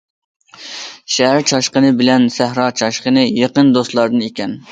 شەھەر چاشقىنى بىلەن سەھرا چاشقىنى يېقىن دوستلاردىن ئىكەن.